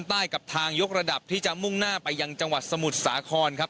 ใต้กับทางยกระดับที่จะมุ่งหน้าไปยังจังหวัดสมุทรสาครครับ